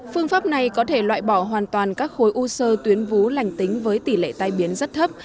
phương pháp này có thể loại bỏ hoàn toàn các khối u sơ tuyến vú lành tính với tỷ lệ tai biến rất thấp